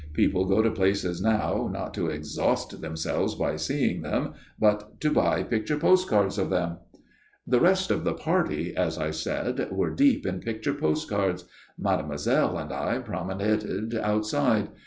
People go to places now not to exhaust themselves by seeing them, but to buy picture postcards of them. The rest of the party, as I said, were deep in picture postcards. Mademoiselle and I promenaded outside.